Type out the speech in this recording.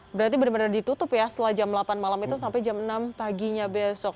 berarti benar benar ditutup ya setelah jam delapan malam itu sampai jam enam paginya besok